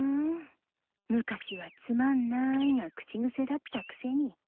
昔は「つまんない」が口癖だったクセに。